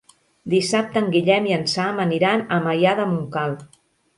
Dissabte en Guillem i en Sam aniran a Maià de Montcal.